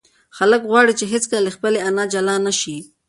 هلک غواړي چې هیڅکله له خپلې انا جلا نشي.